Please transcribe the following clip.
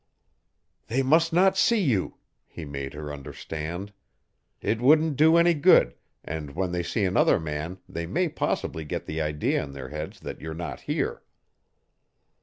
"They must not see you," he made her understand. "It won't do any good and when they see another man they may possibly get the idea in their heads that you're not here.